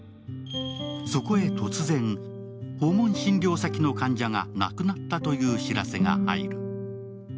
そこへ突然、訪問診療先の患者が亡くなったという知らせが入る。